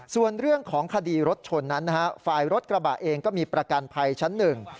ส่วนเรื่องของคดีรถชนนั้นนะฮะฝ่ายรถกระบะเองก็มีประกันภัยชั้นหนึ่ง